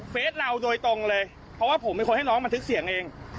เพราะว่าผมเป็นคนให้น้องมาถึงเสียงเอง